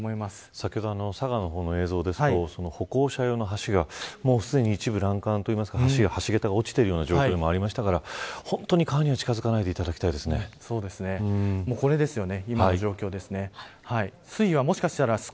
先ほど佐賀の映像ですと歩行者用の橋がすでに一部欄干というか橋桁が落ちている状況もありましたから本当に川には近づかないでこれですよね。